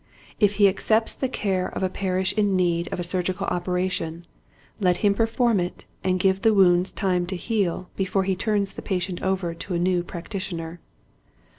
If he accepts the care of a parish in need of a surgical operation let him perform it and give the wounds time to heal before he turns the patient over to a new practitioner.